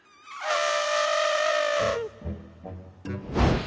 ああ。